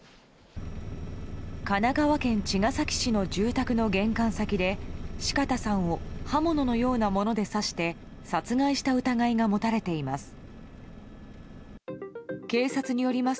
神奈川県茅ヶ崎市の住宅の玄関先で四方さんを刃物のようなもので刺して殺害した疑いが持たれています。